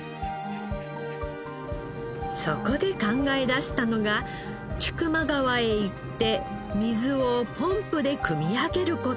そこで考え出したのが千曲川へ行って水をポンプでくみ上げる事。